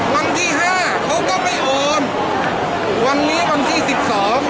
วันที่ห้าเขาก็ไม่โอนวันนี้วันที่สิบสอง